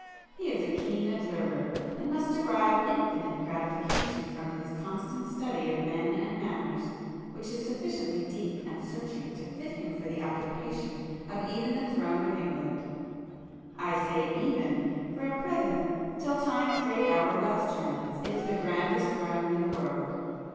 He is a keen observer,—and must derive [p 336] infinite gratification from his constant study of men and manners, which is sufficiently deep and searching to fit him for the occupation of even the throne of England. I say 'even,' for at present, till Time's great hour glass turns, it is the grandest throne in the world.